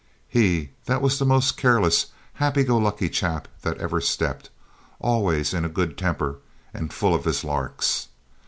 He that was the most careless, happy go lucky chap that ever stepped, always in a good temper and full of his larks.